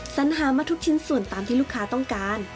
สัญหามาทุกชิ้นส่วนตามที่ลูกค้าต้องการ